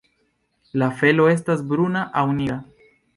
La felo estas bruna aŭ nigra.